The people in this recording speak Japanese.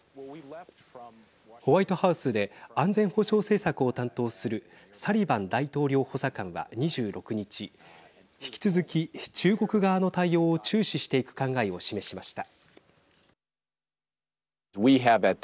ホワイトハウスで安全保障政策を担当するサリバン大統領補佐官は２６日引き続き、中国側の対応を注視していく考えを示しました。